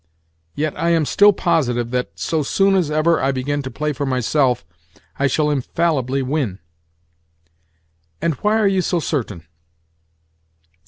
Yet I am still positive that, so soon as ever I begin to play for myself, I shall infallibly win." "And why are you so certain?"